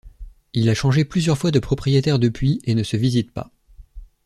Il a changé plusieurs fois de propriétaire depuis et ne se visite pas.